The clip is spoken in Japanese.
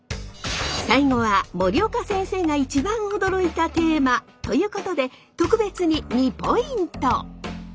最後は森岡先生が一番驚いたテーマ！ということで特別に２ポイント！